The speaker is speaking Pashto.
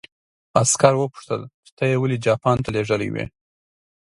عسکر وپوښتل چې ته یې ولې جاپان ته لېږلی وې